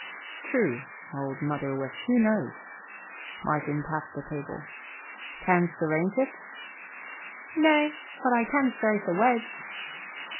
"True, old mother witch, who knows?" Martin tapped the table. "Can'st arrange it?" "Nay. But I can start the wedge."